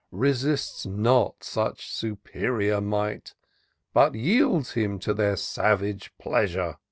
Resists not such superior might. But yields him to their savage pleasure.